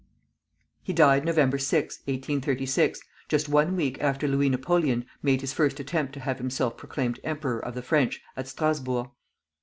He died Nov. 6, 1836, just one week after Louis Napoleon made his first attempt to have himself proclaimed Emperor of the French, at Strasburg.